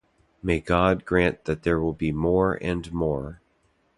May God grant that there will be more and more!